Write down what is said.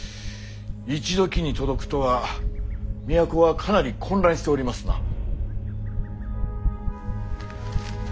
一時に届くとは都はかなり混乱しておりますな。